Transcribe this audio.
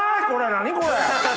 何これ！